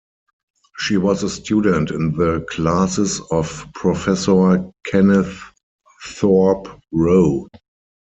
She was a student in the classes of Professor Kenneth Thorpe Rowe.